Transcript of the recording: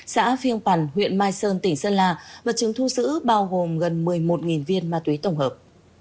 xã phiên quản huyện mai sơn tỉnh sơn la vật chứng thu sữ bao gồm gần một mươi một viên ma túy tổng hợp